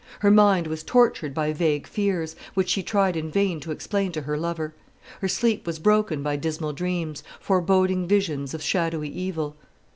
Her mind was tortured by vague fears, which she tried in vain to explain to her lover. Her sleep was broken by dismal dreams, foreboding visions of shadowy evil.